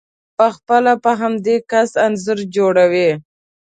په خپله په همدې کس انځور جوړوئ،